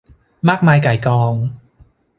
มากมายก่ายกอง